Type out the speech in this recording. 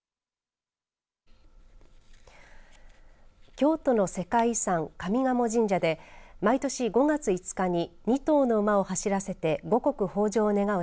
京都の世界遺産、上賀茂神社で毎年５月５日に２頭の馬を走らせて五穀豊じょうを願う